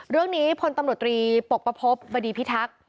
เรื่องนี้พลตำรวจตรีปกประพบบดีพิทักษ์